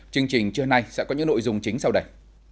chương trình trưa nay sẽ có những nội dung chính sau đây